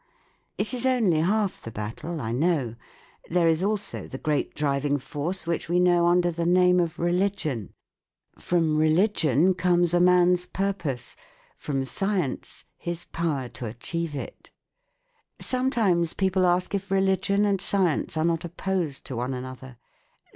It is only half the battle, I know. There is also the great driving force which we know under the name of religion. From 196 THE WORLD OF SOUND religion comes a man's purpose ; from science, his power to achieve it. Sometimes people ask if religion and science are not opposed to one another.